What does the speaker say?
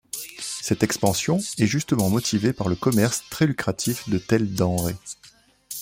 Cette expansion est justement motivée par le commerce très lucratif de telles denrées.